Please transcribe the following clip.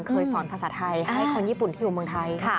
สอนภาษาไทยให้คนญี่ปุ่นที่อยู่เมืองไทย